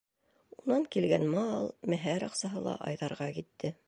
Унан килгән мал, мәһәр аҡсаһы ла Айҙарға китте.